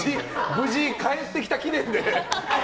無事帰ってきた記念で。